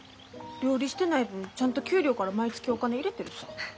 料理してない分ちゃんと給料から毎月お金入れてるさぁ。